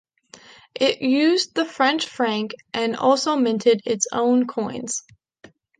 It used the French franc, and also minted its own coins.